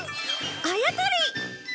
あやとり！